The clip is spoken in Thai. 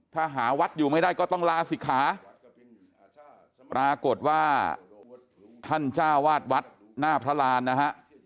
ถ้าหาวัดอยู่ไม่ได้ก็ต้องลาศิกขาปรากฏว่าท่านจ้าวาดวัดหน้าพระรานนะฮะ